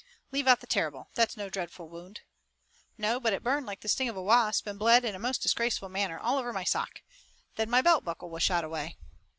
"Leave out the 'terrible.' That's no dreadful wound." "No, but it burned like the sting of a wasp and bled in a most disgraceful manner all over my sock. Then my belt buckle was shot away."